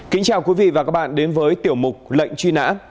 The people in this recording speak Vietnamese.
kính chào quý vị và các bạn đến với tiểu mục lệnh truy nã